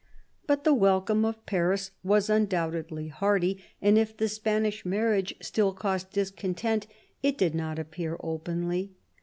But the welcome of Paris was undoubtedly hearty, and it the Spanish marriage still caused discontent, it did not appear openly.